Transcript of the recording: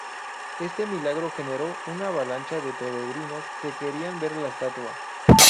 Este milagro generó una avalancha de peregrinos que querían ver la estatua.